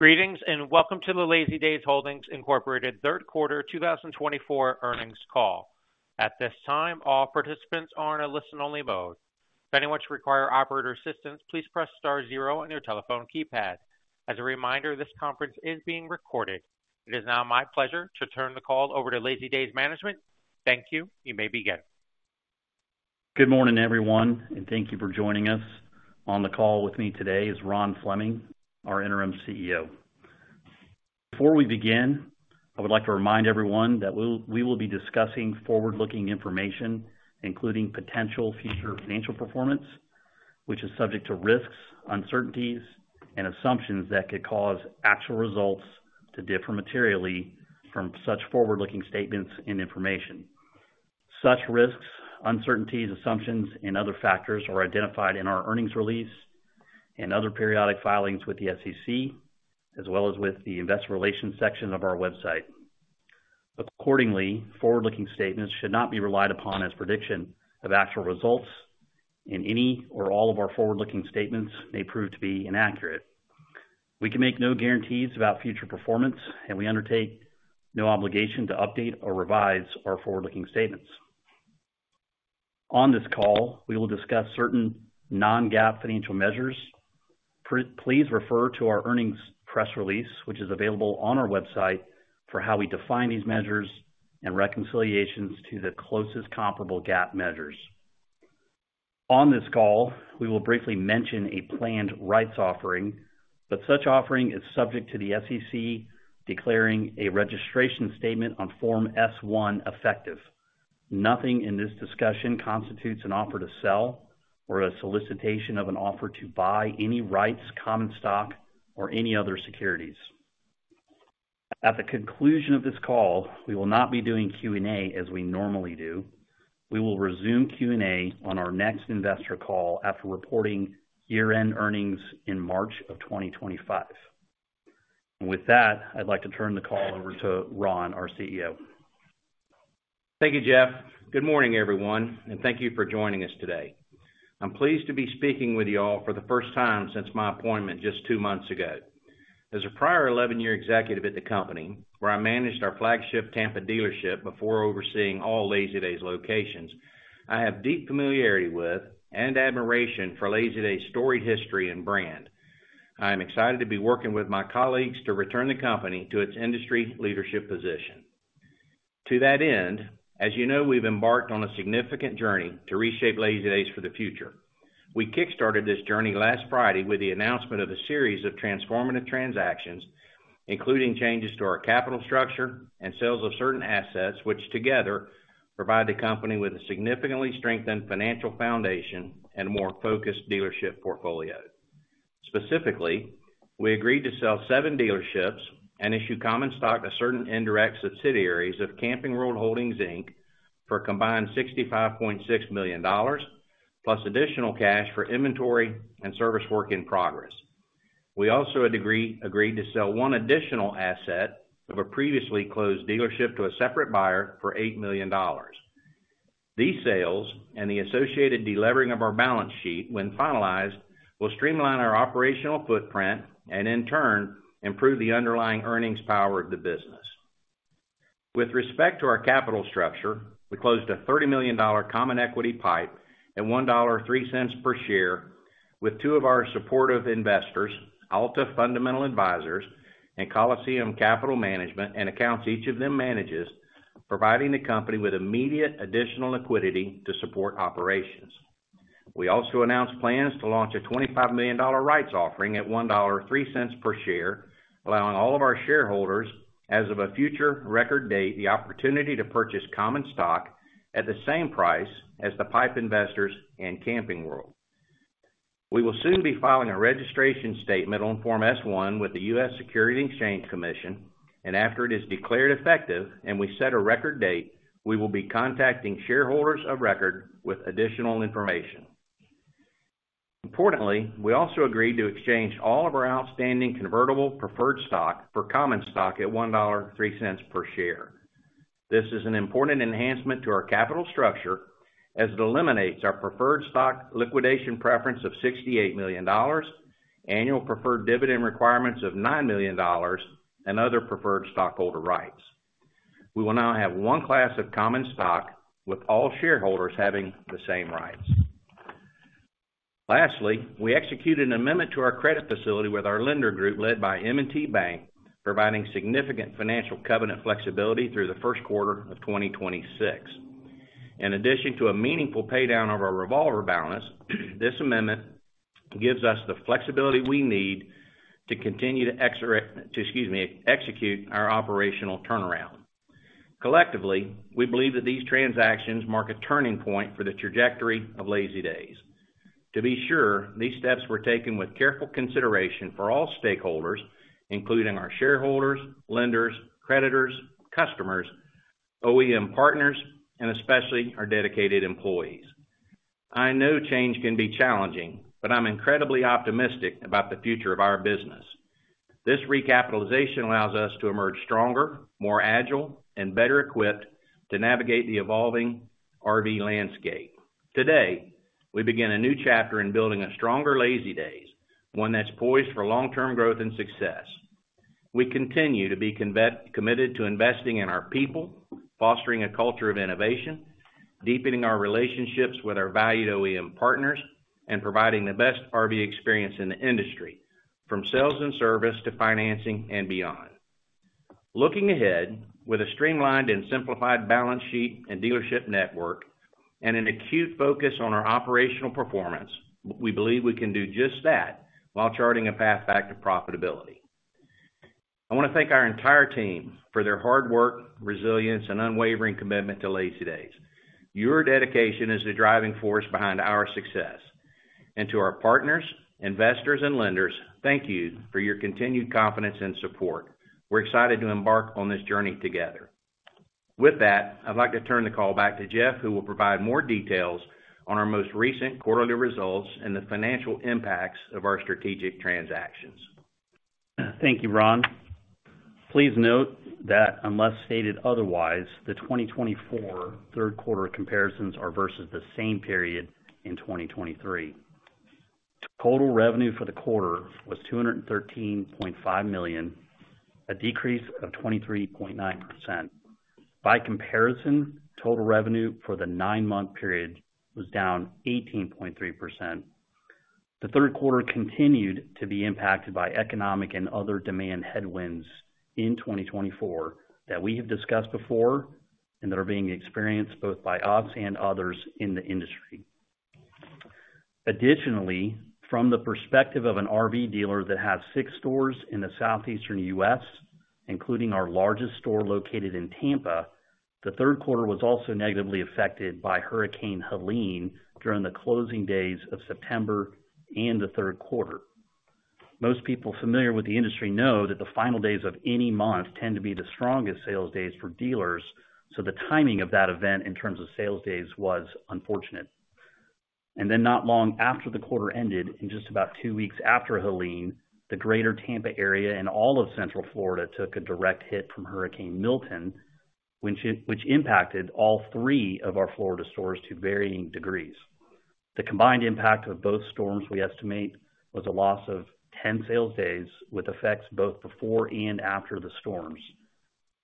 Greetings and Welcome to the Lazydays Holdings Incorporated third quarter 2024 earnings call. At this time, all participants are in a listen-only mode. If anyone should require operator assistance, please press star zero on your telephone keypad. As a reminder, this conference is being recorded. It is now my pleasure to turn the call over to Lazydays management. Thank you. You may begin. Good morning, everyone, and thank you for joining us. On the call with me today is Ron Fleming, our Interim CEO. Before we begin, I would like to remind everyone that we will be discussing forward-looking information, including potential future financial performance, which is subject to risks, uncertainties, and assumptions that could cause actual results to differ materially from such forward-looking statements and information. Such risks, uncertainties, assumptions, and other factors are identified in our earnings release and other periodic filings with the SEC, as well as with the Investor Relations section of our website. Accordingly, forward-looking statements should not be relied upon as predictions of actual results, and any or all of our forward-looking statements may prove to be inaccurate. We can make no guarantees about future performance, and we undertake no obligation to update or revise our forward-looking statements. On this call, we will discuss certain non-GAAP financial measures. Please refer to our earnings press release, which is available on our website, for how we define these measures and reconciliations to the closest comparable GAAP measures. On this call, we will briefly mention a planned rights offering, but such offering is subject to the SEC declaring a registration statement on Form S-1 effective. Nothing in this discussion constitutes an offer to sell or a solicitation of an offer to buy any rights, common stock, or any other securities. At the conclusion of this call, we will not be doing Q&A as we normally do. We will resume Q&A on our next investor call after reporting year-end earnings in March of 2025. And with that, I'd like to turn the call over to Ron, our CEO. Thank you, Jeff. Good morning, everyone, and thank you for joining us today. I'm pleased to be speaking with you all for the first time since my appointment just two months ago. As a prior 11-year executive at the company, where I managed our flagship Tampa dealership before overseeing all Lazydays locations, I have deep familiarity with and admiration for Lazydays' storied history and brand. I am excited to be working with my colleagues to return the company to its industry leadership position. To that end, as you know, we've embarked on a significant journey to reshape Lazydays for the future. We kickstarted this journey last Friday with the announcement of a series of transformative transactions, including changes to our capital structure and sales of certain assets, which together provide the company with a significantly strengthened financial foundation and a more focused dealership portfolio. Specifically, we agreed to sell seven dealerships and issue common stock to certain indirect subsidiaries of Camping World Holdings, Inc., for a combined $65.6 million, plus additional cash for inventory and service work in progress. We also agreed to sell one additional asset of a previously closed dealership to a separate buyer for $8 million. These sales and the associated deleveraging of our balance sheet, when finalized, will streamline our operational footprint and, in turn, improve the underlying earnings power of the business. With respect to our capital structure, we closed a $30 million common equity PIPE at $1.03 per share with two of our supportive investors, Alta Fundamental Advisers and Coliseum Capital Management, and accounts each of them manages, providing the company with immediate additional liquidity to support operations. We also announced plans to launch a $25 million rights offering at $1.03 per share, allowing all of our shareholders, as of a future record date, the opportunity to purchase common stock at the same price as the PIPE Investors and Camping World. We will soon be filing a registration statement on Form S-1 with the U.S. Securities and Exchange Commission, and after it is declared effective and we set a record date, we will be contacting shareholders of record with additional information. Importantly, we also agreed to exchange all of our outstanding convertible preferred stock for common stock at $1.03 per share. This is an important enhancement to our capital structure as it eliminates our preferred stock liquidation preference of $68 million, annual preferred dividend requirements of $9 million, and other preferred stockholder rights. We will now have one class of common stock, with all shareholders having the same rights. Lastly, we executed an amendment to our credit facility with our lender group led by M&T Bank, providing significant financial covenant flexibility through the first quarter of 2026. In addition to a meaningful paydown of our revolver balance, this amendment gives us the flexibility we need to continue to execute our operational turnaround. Collectively, we believe that these transactions mark a turning point for the trajectory of Lazydays. To be sure, these steps were taken with careful consideration for all stakeholders, including our shareholders, lenders, creditors, customers, OEM partners, and especially our dedicated employees. I know change can be challenging, but I'm incredibly optimistic about the future of our business. This recapitalization allows us to emerge stronger, more agile, and better equipped to navigate the evolving RV landscape. Today, we begin a new chapter in building a stronger Lazydays, one that's poised for long-term growth and success. We continue to be committed to investing in our people, fostering a culture of innovation, deepening our relationships with our valued OEM partners, and providing the best RV experience in the industry, from sales and service to financing and beyond. Looking ahead with a streamlined and simplified balance sheet and dealership network and an acute focus on our operational performance, we believe we can do just that while charting a path back to profitability. I want to thank our entire team for their hard work, resilience, and unwavering commitment to Lazydays. Your dedication is the driving force behind our success, and to our partners, investors, and lenders, thank you for your continued confidence and support. We're excited to embark on this journey together. With that, I'd like to turn the call back to Jeff, who will provide more details on our most recent quarterly results and the financial impacts of our strategic transactions. Thank you, Ron. Please note that, unless stated otherwise, the 2024 third quarter comparisons are versus the same period in 2023. Total revenue for the quarter was $213.5 million, a decrease of 23.9%. By comparison, total revenue for the nine-month period was down 18.3%. The third quarter continued to be impacted by economic and other demand headwinds in 2024 that we have discussed before and that are being experienced both by us and others in the industry. Additionally, from the perspective of an RV dealer that has six stores in the Southeastern U.S., including our largest store located in Tampa, the third quarter was also negatively affected by Hurricane Helene during the closing days of September and the third quarter. Most people familiar with the industry know that the final days of any month tend to be the strongest sales days for dealers, so the timing of that event in terms of sales days was unfortunate. And then not long after the quarter ended, and just about two weeks after Helene, the greater Tampa area and all of Central Florida took a direct hit from Hurricane Milton, which impacted all three of our Florida stores to varying degrees. The combined impact of both storms we estimate was a loss of 10 sales days, with effects both before and after the storms.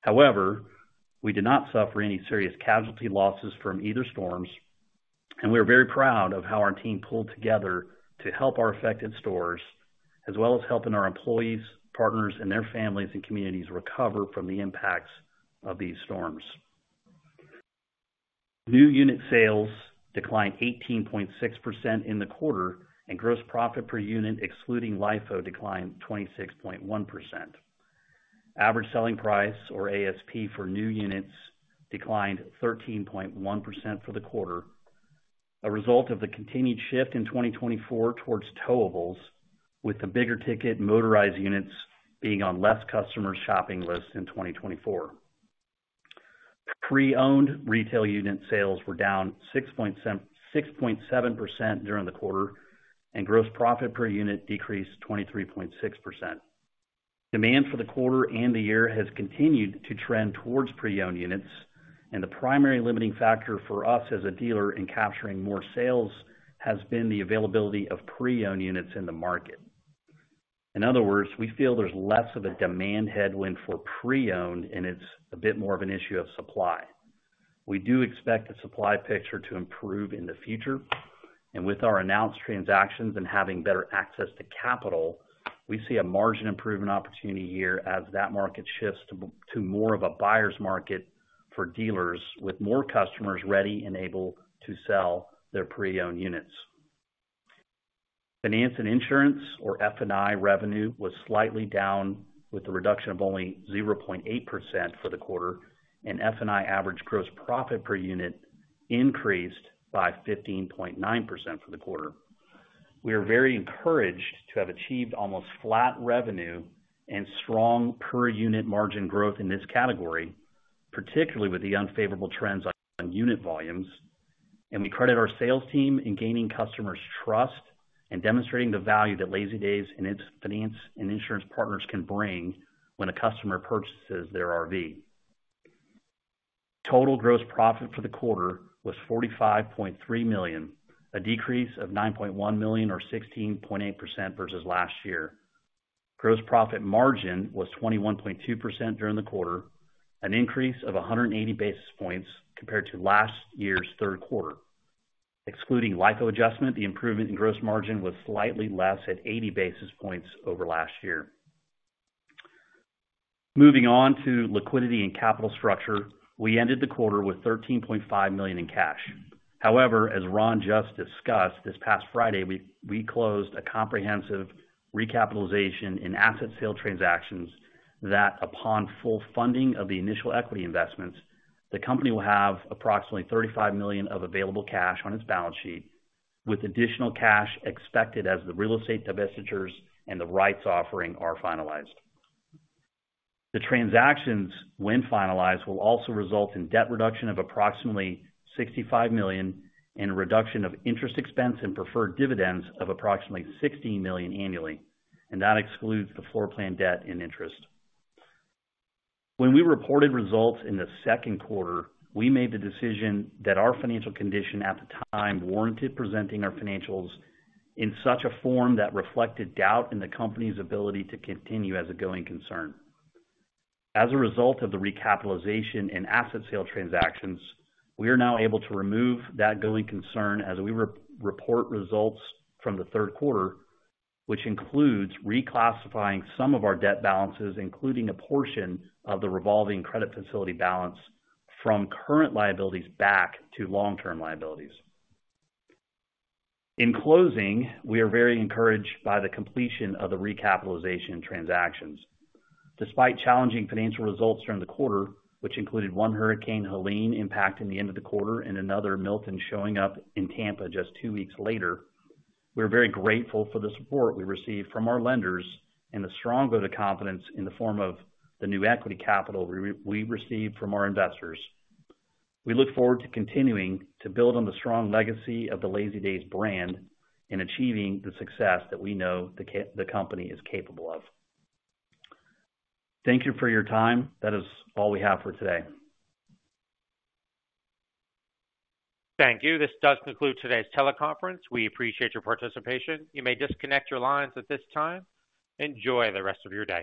However, we did not suffer any serious casualty losses from either storms, and we are very proud of how our team pulled together to help our affected stores, as well as helping our employees, partners, and their families and communities recover from the impacts of these storms. New unit sales declined 18.6% in the quarter, and gross profit per unit, excluding LIFO, declined 26.1%. Average selling price, or ASP, for new units declined 13.1% for the quarter, a result of the continued shift in 2024 towards towables, with the bigger ticket motorized units being on less customers' shopping lists in 2024. Pre-owned retail unit sales were down 6.7% during the quarter, and gross profit per unit decreased 23.6%. Demand for the quarter and the year has continued to trend towards pre-owned units, and the primary limiting factor for us as a dealer in capturing more sales has been the availability of pre-owned units in the market. In other words, we feel there's less of a demand headwind for pre-owned, and it's a bit more of an issue of supply. We do expect the supply picture to improve in the future, and with our announced transactions and having better access to capital, we see a margin improvement opportunity here as that market shifts to more of a buyer's market for dealers, with more customers ready and able to sell their pre-owned units. Finance and insurance, or F&I revenue, was slightly down with a reduction of only 0.8% for the quarter, and F&I average gross profit per unit increased by 15.9% for the quarter. We are very encouraged to have achieved almost flat revenue and strong per-unit margin growth in this category, particularly with the unfavorable trends on unit volumes, and we credit our sales team in gaining customers' trust and demonstrating the value that Lazydays and its finance and insurance partners can bring when a customer purchases their RV. Total gross profit for the quarter was $45.3 million, a decrease of $9.1 million, or 16.8% versus last year. Gross profit margin was 21.2% during the quarter, an increase of 180 basis points compared to last year's third quarter. Excluding LIFO adjustment, the improvement in gross margin was slightly less at 80 basis points over last year. Moving on to liquidity and capital structure, we ended the quarter with $13.5 million in cash. However, as Ron just discussed this past Friday, we closed a comprehensive recapitalization in asset sale transactions that, upon full funding of the initial equity investments, the company will have approximately $35 million of available cash on its balance sheet, with additional cash expected as the real estate divestitures and the rights offering are finalized. The transactions, when finalized, will also result in debt reduction of approximately $65 million and a reduction of interest expense and preferred dividends of approximately $16 million annually, and that excludes the floor plan debt and interest. When we reported results in the second quarter, we made the decision that our financial condition at the time warranted presenting our financials in such a form that reflected doubt in the company's ability to continue as a going concern. As a result of the recapitalization and asset sale transactions, we are now able to remove that going concern as we report results from the third quarter, which includes reclassifying some of our debt balances, including a portion of the revolving credit facility balance from current liabilities back to long-term liabilities. In closing, we are very encouraged by the completion of the recapitalization transactions. Despite challenging financial results during the quarter, which included one Hurricane Helene impact in the end of the quarter and another Milton showing up in Tampa just two weeks later, we are very grateful for the support we received from our lenders and the strong vote of confidence in the form of the new equity capital we received from our investors. We look forward to continuing to build on the strong legacy of the Lazydays brand and achieving the success that we know the company is capable of. Thank you for your time. That is all we have for today. Thank you. This does conclude today's teleconference. We appreciate your participation. You may disconnect your lines at this time. Enjoy the rest of your day.